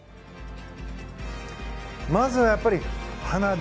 まずはやっぱり花火。